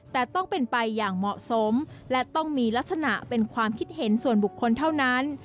แต่ต้องเป็นไปอย่างเหมาะสมและต้องมีลักษณะเป็นความคิดเห็นส่วนบุคคลเท่านั้น